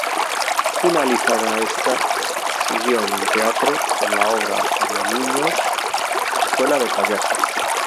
Finalizada esta, siguió en el teatro con la obra para niños "Escuela de Payasos".